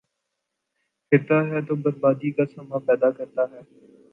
، بپھر تا ہے تو بربادی کا ساماں پیدا کرتا ہے ۔